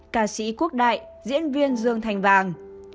ca sĩ quốc đại diễn viên dương thành vàng